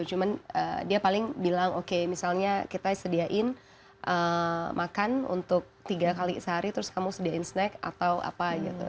cuman dia paling bilang oke misalnya kita sediain makan untuk tiga kali sehari terus kamu sediain snack atau apa gitu